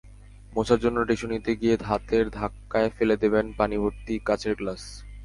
মোছার জন্য টিস্যু নিতে গিয়ে হাতের ধাক্কায় ফেলে দেবেন পানিভর্তি কাচের গ্লাস।